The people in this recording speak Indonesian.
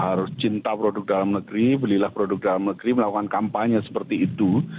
harus cinta produk dalam negeri belilah produk dalam negeri melakukan kampanye seperti itu